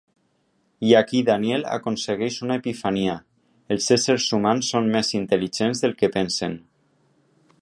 I aquí Daniel aconsegueix una epifania: els éssers humans són més intel·ligents del que pensen.